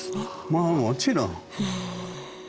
まあもちろん。